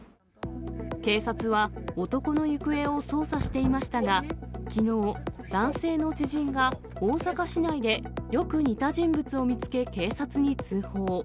警察は、男の行方を捜査していましたが、きのう、男性の知人が大阪市内でよく似た人物を見つけ、警察に通報。